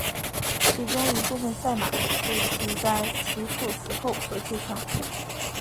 其中一部分赛马是其在其父死后所继承。